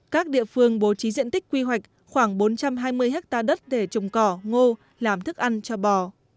các địa phương bố trí diện tích quy hoạch khoảng bốn trăm hai mươi hectare đất để trồng cỏ ngô làm thức ăn cho bò